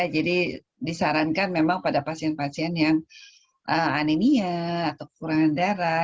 jadi disarankan memang pada pasien pasien yang anemia atau kurangan darah